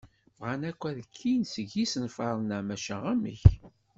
Bɣan akk ad kkin deg yisenfaṛen-a maca amek?